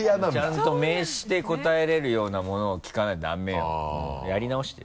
ちゃんと名詞で答えられるようなものを聞かないとダメよやり直して。